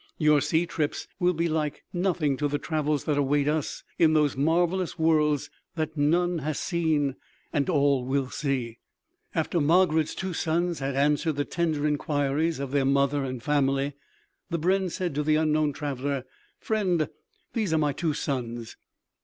Your sea trips will be like nothing to the travels that await us in those marvelous worlds that none has seen and all will see." After Margarid's two sons had answered the tender inquiries of their mother and family, the brenn said to the unknown traveler: "Friend, these are my two sons."